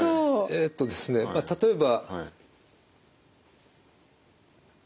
えっとですねまあ例えば。